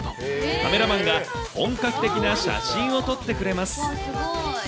カメラマンが本格的な写真を撮ってくれます。